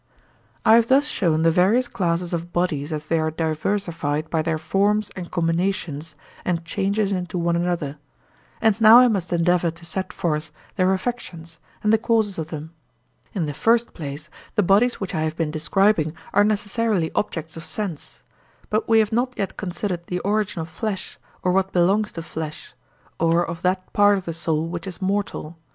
I have thus shown the various classes of bodies as they are diversified by their forms and combinations and changes into one another, and now I must endeavour to set forth their affections and the causes of them. In the first place, the bodies which I have been describing are necessarily objects of sense. But we have not yet considered the origin of flesh, or what belongs to flesh, or of that part of the soul which is mortal.